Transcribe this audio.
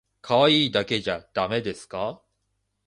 可愛いだけじゃだめですか？